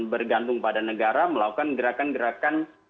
bergantung pada negara melakukan gerakan gerakan